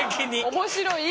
面白い！